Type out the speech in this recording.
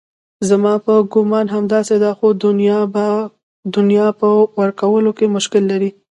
زما په ګومان همداسې ده خو دنیا په ورکولو کې مشکل لري.